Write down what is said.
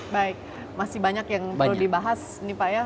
baik masih banyak yang perlu dibahas ini pak ya